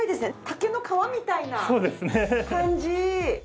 竹の皮みたいな感じ。